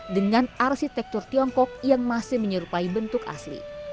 dengan arsitektur tiongkok yang masih menyerupai bentuk asli